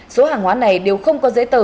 số hàng hóa này đều không có giấy tờ